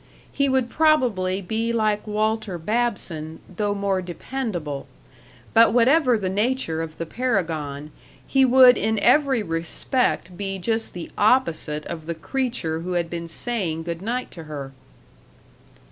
He would probably be like Walter Babson though more dependable. But whatever the nature of the paragon, he would in every respect be just the opposite of the creature who had been saying good night to her.